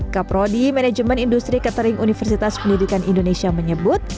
kaprodi manajemen industri catering universitas pendidikan indonesia menyebut